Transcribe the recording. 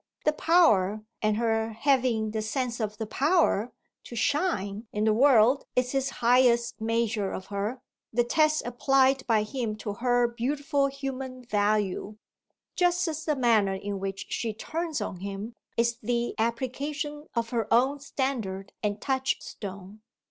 The power and her having the sense of the power to "shine" in the world is his highest measure of her, the test applied by him to her beautiful human value; just as the manner in which she turns on him is the application of her own standard and touchstone.